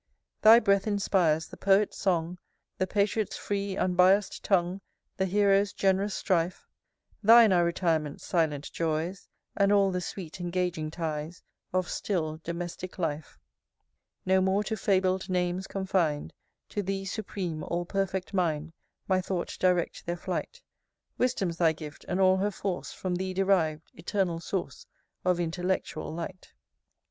XIII. Thy breath inspires the Poet's song The Patriot's free, unbiass'd tongue, The Hero's gen'rous strife; Thine are retirement's silent joys, And all the sweet engaging ties Of still, domestic life. XIV. No more to fabled names confin'd; To Thee supreme, all perfect mind, My thought direct their flight. Wisdom's thy gift, and all her force From thee deriv'd, Eternal source Of Intellectual Light!